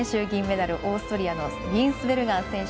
銀メダル、オーストリアのリーンスベルガー。